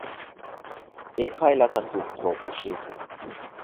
Éghajlata szubtrópusi.